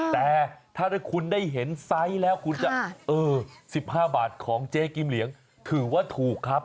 แต่ถ้าคุณได้เห็นไซส์แล้วคุณจะเออ๑๕บาทของเจ๊กิมเหลียงถือว่าถูกครับ